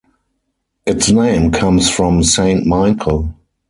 Its name comes from Saint Michael.